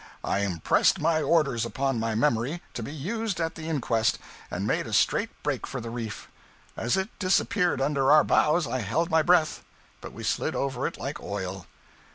I impressed my orders upon my memory, to be used at the inquest, and made a straight break for the reef. As it disappeared under our bows I held my breath; but we slid over it like oil.